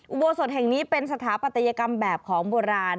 อุโบสถแห่งนี้เป็นสถาปัตยกรรมแบบของโบราณ